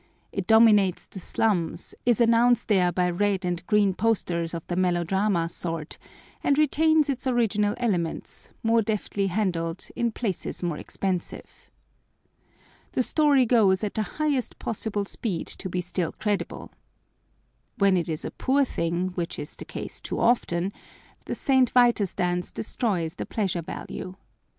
It dominates the slums, is announced there by red and green posters of the melodrama sort, and retains its original elements, more deftly handled, in places more expensive. The story goes at the highest possible speed to be still credible. When it is a poor thing, which is the case too often, the St. Vitus dance destroys the pleasure value.